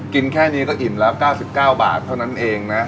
แค่นี้ก็อิ่มแล้ว๙๙บาทเท่านั้นเองนะ